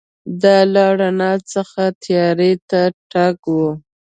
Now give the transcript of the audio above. دا له رڼا څخه تیارې ته تګ و.